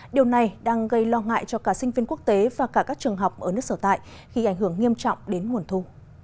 điều này đang gây lo ngại cho cả sinh viên quốc tế và cả các trường học ở nước sở tại khi ảnh hưởng nghiêm trọng đến nguồn thu